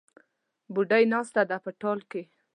بوډۍ ناسته ده په ټال کې